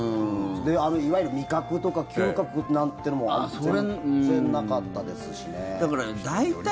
いわゆる味覚とか嗅覚なんてのも全然なかったですしね。